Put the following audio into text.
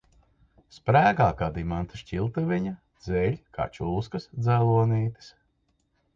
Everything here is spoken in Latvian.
Sprēgā kā dimanta šķiltaviņa, dzeļ kā čūskas dzelonītis.